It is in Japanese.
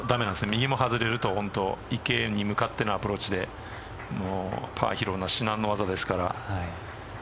右も外れると池に向かってのアプローチでパーを拾うのは至難の技ですから。